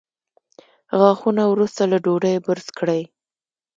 غاښونه وروسته له ډوډۍ برس کړئ